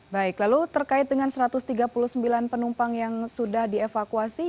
baik lalu terkait dengan satu ratus tiga puluh sembilan penumpang yang sudah dievakuasi